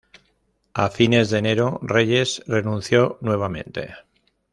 A fines de enero, Reyes renunció nuevamente.